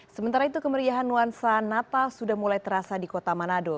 sementara itu kemeriahan nuansa natal sudah mulai terasa di kota manado